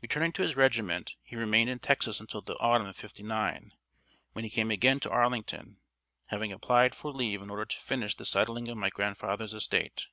Returning to his regiment, he remained in Texas until the autumn of '59, when he came again to Arlington, having applied for leave in order to finish the settling of my grandfather's estate.